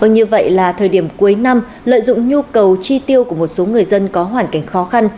như vậy là thời điểm cuối năm lợi dụng nhu cầu chi tiêu của một số người dân có hoàn cảnh khó khăn